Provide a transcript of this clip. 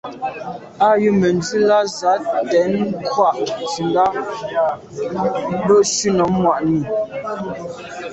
Jə̂ mə̀ndzwí lá zǎ tɛ̌n kghwâ’ ncùndá bâ shúnɔ̀m mwà’nì.